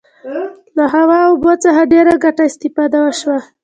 له هوا او اوبو څخه ډیره ګټوره استفاده وشوه.